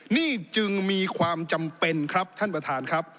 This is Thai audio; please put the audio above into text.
นี่จึงมีความจำเป็นครับท่านประธานครับ